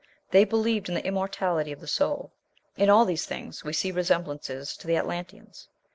They believed in the immortality of the soul. In all these things we see resemblances to the Atlanteans.